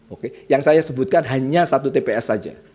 oke yang saya sebutkan hanya satu tps saja